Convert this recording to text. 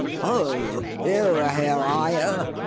"Oh! You are here, are you?